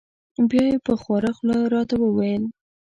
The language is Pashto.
بیا یې په خواره خوله را ته و ویل: